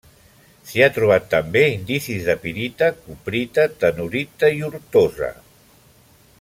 S'hi ha trobat també indicis de pirita, cuprita, tenorita i ortosa.